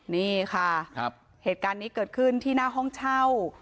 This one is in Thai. นี่ค่ะเหตุการณ์นี้เกิดขึ้นที่หน้าห้องเช่า